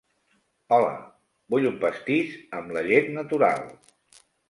Hola, vull un pastís, amb la llet natural.